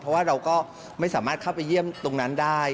เพราะว่าเราก็ไม่สามารถเข้าไปเยี่ยมตรงนั้นได้